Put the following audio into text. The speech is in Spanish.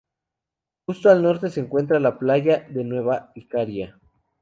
Justo al norte se encuentra la playa de Nueva Icaria.